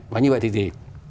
và như vậy thì gì